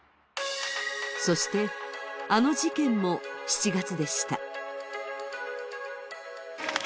そして、あの事件も７月でした。